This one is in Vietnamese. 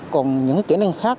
còn những kỹ năng khác